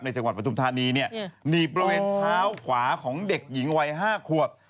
จังหวัดปฐุมธานีเนี่ยหนีบบริเวณเท้าขวาของเด็กหญิงวัย๕ขวบ